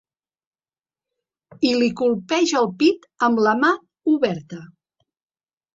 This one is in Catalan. I li colpeja el pit amb la mà oberta.